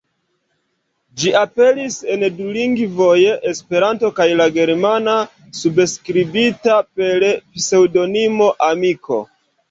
Ĝi aperis en du lingvoj: Esperanto kaj la germana, subskribita per la pseŭdonimo "Amiko".